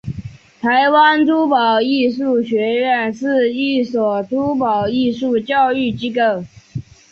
台湾珠宝艺术学院是一所珠宝艺术教育机构。